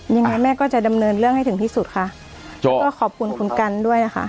ยังไงแม่ก็จะดำเนินเรื่องให้ถึงที่สุดค่ะโจ้ก็ขอบคุณคุณกันด้วยนะคะ